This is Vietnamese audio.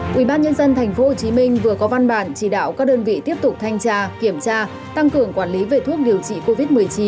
quỹ ban nhân dân tp hcm vừa có văn bản chỉ đạo các đơn vị tiếp tục thanh tra kiểm tra tăng cường quản lý về thuốc điều trị covid một mươi chín